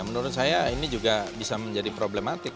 menurut saya ini juga bisa menjadi problematik